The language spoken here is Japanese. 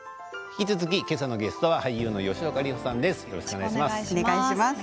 引き続き、けさのゲストは俳優の吉岡里帆さんです。